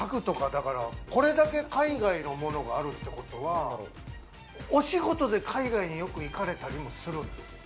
これだけ海外のものがあるってことは、お仕事で海外によく行かれたりもするんですか？